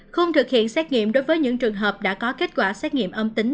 không thực hiện xét nghiệm đối với những trường hợp đã có kết quả xét nghiệm âm tính